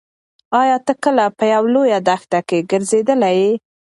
ایا ته کله په یوه لویه دښته کې ګرځېدلی یې؟